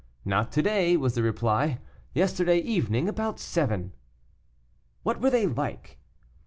"Not to day," was the reply, "yesterday evening about seven." "What were they like?"